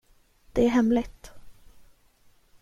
Det är hemligt.